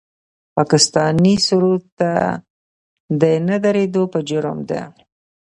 پاکستاني سرود ته د نه درېدو په جرم د